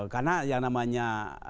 karena yang namanya